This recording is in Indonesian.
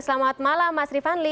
selamat malam mas rifanli